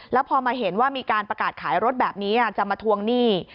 แล้วพอมาเห็นว่ามีการประกาศขายรถแบบนี้จะมาทวงหนี้